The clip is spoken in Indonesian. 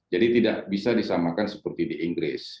jadi tidak bisa disamakan seperti di inggris